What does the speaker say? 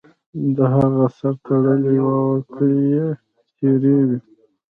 د هغه سر تړلی و او کالي یې څیرې وو